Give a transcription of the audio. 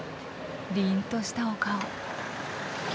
りんとしたお顔。